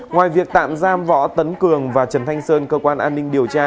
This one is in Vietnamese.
ngoài việc tạm giam võ tấn cường và trần thanh sơn cơ quan an ninh điều tra